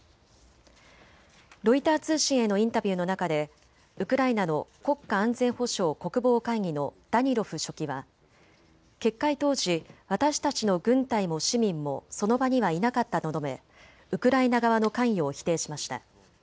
ロイター通信へのインタビューの中でウクライナの国家安全保障・国防会議のダニロフ書記は決壊当時、私たちの軍隊も市民もその場にはいなかったと述べウクライナ側の関与を否定しました。